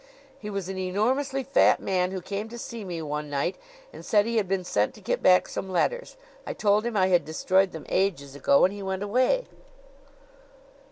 "He was an enormously fat man who came to see me one night and said he had been sent to get back some letters. I told him I had destroyed them ages ago and he went away."